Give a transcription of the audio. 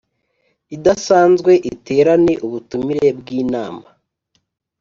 Idasanzwe iterane ubutumire bw inama